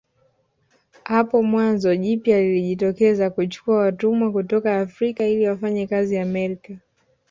Hapo wazo jipya lilijitokeza kuchukua watumwa kutoka Afrika ili wafanye kazi Amerika